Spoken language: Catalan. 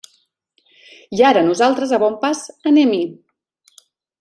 I ara nosaltres a bon pas anem-hi.